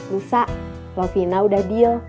rusa lovina udah deal